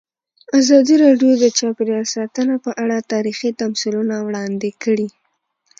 ازادي راډیو د چاپیریال ساتنه په اړه تاریخي تمثیلونه وړاندې کړي.